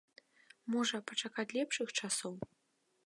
Можа, пачакаць лепшых часоў?